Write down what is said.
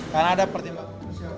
karena ada pertimbangan